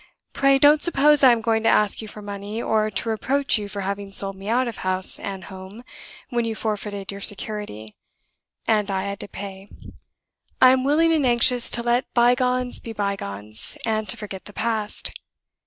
Pray don't suppose I am going to ask you for money, or to reproach you for having sold me out of house and home when you forfeited your security, and I had to pay. I am willing and anxious to let by gones be by gones, and to forget the past.